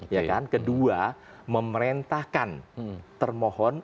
ya kan kedua memerintahkan termohon